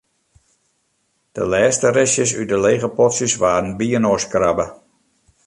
De lêste restjes út de lege potsjes waarden byinoarskrabbe.